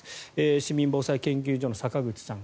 市民防災研究所の坂口さん